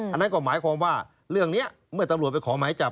อันนั้นก็หมายความว่าเรื่องนี้เมื่อตำรวจไปขอหมายจับ